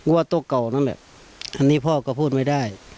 ว่าตัวเก่านั้นอันนี้พ่อก็พูดไม่ได้